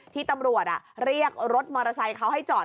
ที่ตำรวจเรียกรถมอเตอร์ไซค์เขาให้จอด